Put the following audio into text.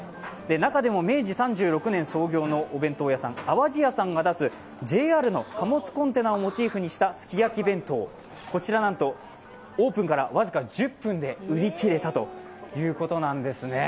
中でも明治３６年創業のお弁当屋さん、淡路屋さんが出すＪＲの貨物のコンテナをモチーフにしたすきやき弁当、こちら、なんとオープンから僅か１０分で売り切れたということなんですね。